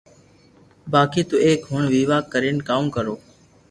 بائي تو ايڪ ھڻ ويوا ڪرين ڪاوُ ڪرو